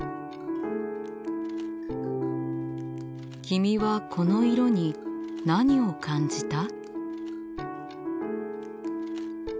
君はこの色に何を感じた？